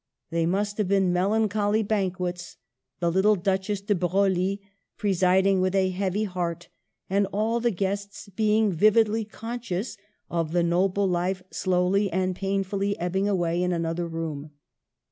They must have been melancholy banquets ; the little Duchess de Broglie presiding with a heavy heart, and all the guests being vividly conscious of the noble life slowly and painfully ebbing away in another room.